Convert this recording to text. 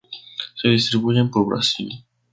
Se distribuyen por Brasil.